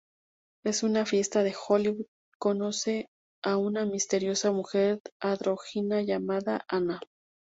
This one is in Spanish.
En una fiesta de Halloween conoce a una misteriosa mujer andrógina llamada Anna.